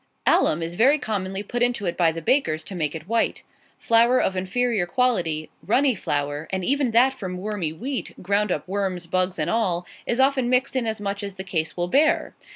Alum is very commonly put into it by the bakers, to make it white. Flour of inferior quality, "runny" flour, and even that from wormy wheat ground up worms, bugs, and all is often mixed in as much as the case will bear.